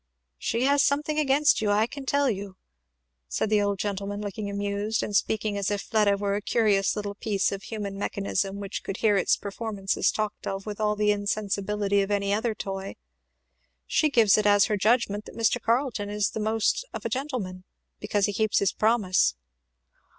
"She has something against you, I can tell you," said the old gentleman, looking amused, and speaking as if Fleda were a curious little piece of human mechanism which could hear its performances talked of with all the insensibility of any other toy. "She gives it as her judgment that Mr. Carleton is the most of a gentleman, because he keeps his promise."